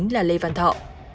là lê văn thọ